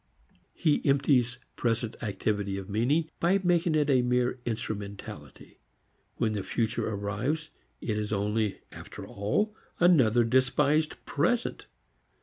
He empties present activity of meaning by making it a mere instrumentality. When the future arrives it is only after all another despised present.